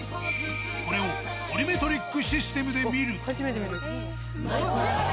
これをボリュメトリックシステムで見ると。